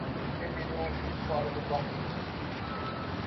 Terminou o vinho, fora do barril.